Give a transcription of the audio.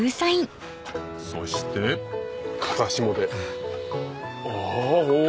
そして風下でお！